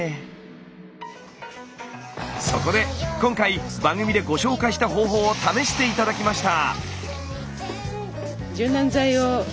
そこで今回番組でご紹介した方法を試して頂きました。